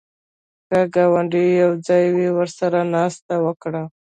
که ګاونډی یواځې وي، ورسره ناسته وکړه